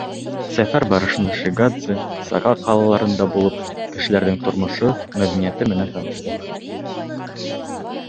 Сәфәр барышында Шигадзе, Сага ҡалаларында булып, кешеләрҙең тормошо, мәҙәниәте менән таныштыҡ.